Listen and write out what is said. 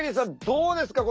どうですか？